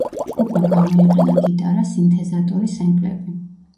ჯგუფმა გამოიყენა გიტარა, სინთეზატორი, სემპლები.